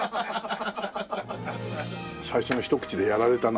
最初の一口でやられたな。